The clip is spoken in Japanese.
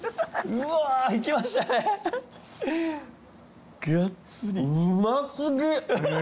うま過ぎ！